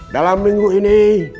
dalam minggu ini